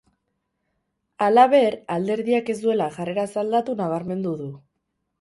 Halaber, alderdiak ez duela jarreraz aldatu nabarmendu du.